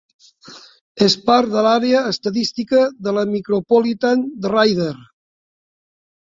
És part de l'àrea d'Estadística de la Micropolitan DeRidder.